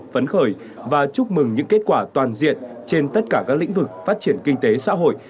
phấn khởi và chúc mừng những kết quả toàn diện trên tất cả các lĩnh vực phát triển kinh tế xã hội